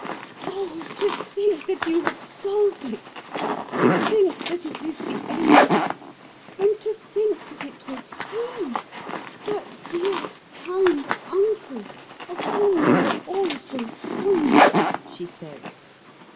"Oh, to think that you have solved it! To think that it is the end! And to think that it was he that dear, kind 'uncle' of whom they all were so fond!" she said.